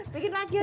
bikin lagi aja bu